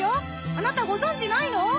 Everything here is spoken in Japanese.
あなたごぞんじないの？